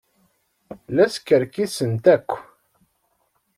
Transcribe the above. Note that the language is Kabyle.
La skerkisent akk.